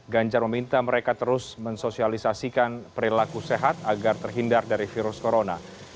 ganjar meminta mereka terus mensosialisasikan perilaku sehat agar terhindar dari virus corona